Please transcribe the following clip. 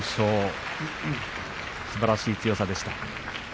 すばらしい強さでした。